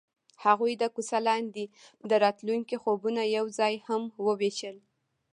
هغوی د کوڅه لاندې د راتلونکي خوبونه یوځای هم وویشل.